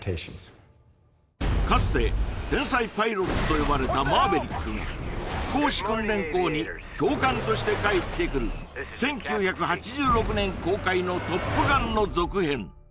かつて天才パイロットと呼ばれたマーヴェリックが飛行士訓練校に教官として帰ってくる１９８６年公開の「トップガン」の続編